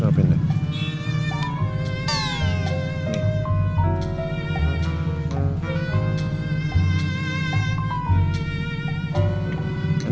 enak kan udah rasanya kan